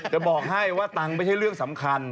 จะบอกให้ว่าตังค์ไม่ใช่เรื่องสำคัญ